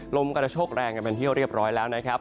ลมกระโชกแรงกันเป็นที่เรียบร้อยแล้วนะครับ